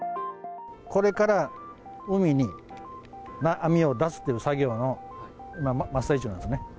これから海に網を出すという作業の真っ最中なんですね。